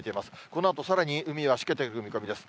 このあとさらに海はしけていく見込みです。